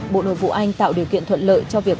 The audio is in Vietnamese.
bộ nội vụ anh tạo điều kiện thuận lợi cho việc